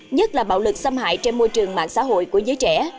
nhất là bạo lực xâm hại trên môi trường mạng xã hội của giới trẻ